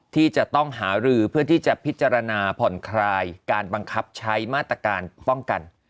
ที่จะต้องหารือเพื่อที่จะพิจารณาผ่อนคลายการบังคับใช้มาตรการป้องกัน